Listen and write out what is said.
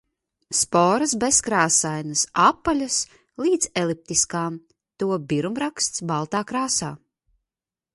Sporas bezkrāsainas, apaļas līdz eliptiskām, to birumraksts baltā krāsā.